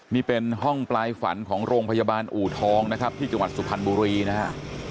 นี่เป็นห้องปลายฝันของโรงพยาบาลอูทองนะครับที่จังหวัดสุพรรณบุรีนะฮะ